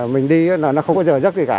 mình đi nó không có dở dắt gì cả